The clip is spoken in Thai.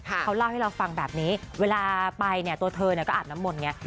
เขาเล่าให้เราฟังแบบนี้เวลาไปเนี่ยตัวเธอก็อาบน้ำมนต์ไง